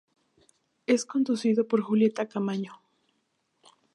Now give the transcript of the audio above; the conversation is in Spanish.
Es conducido por Julieta Camaño.